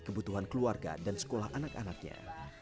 kebutuhan keluarga dan sekolah anak anaknya